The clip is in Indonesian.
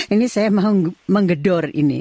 ini saya mau menggedor ini